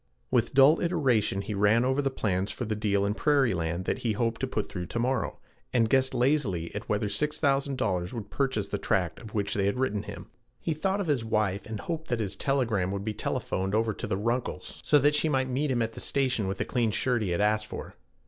With dull iteration he ran over the plans for the deal in prairie land that he hoped to put through to morrow, and guessed lazily at whether $6000 would purchase the tract of which they had written him. He thought of his wife, and hoped that his telegram would be telephoned over to the Runkles' so that she might meet him at the station with the clean shirt he had asked for.